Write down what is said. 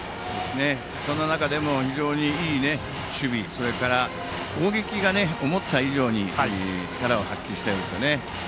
そんな中でも、いい守備それから攻撃が思った以上に力を発揮していますよね。